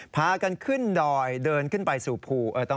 พากันขึ้นดอยเดินขึ้นไปสู่ภู